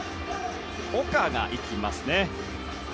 岡が行きますね。